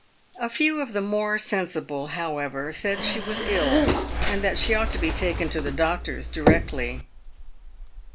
A few of the more sensible, however, said she was ill, and that she ought to be taken to the doctor's directly.